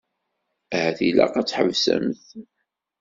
Ahat ilaq ad tḥebsemt.